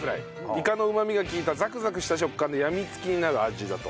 イカのうまみが利いたザクザクした食感でやみつきになる味だと。